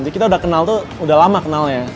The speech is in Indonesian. jadi kita udah kenal tuh udah lama kenalnya